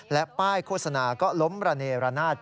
และป้ายโฆษณาก็ล้มระเนรนาศ